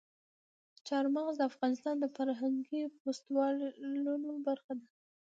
چار مغز د افغانستان د فرهنګي فستیوالونو برخه ده.